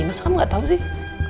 masa kamu gak tau sih